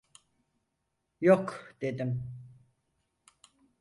Yok! dedim.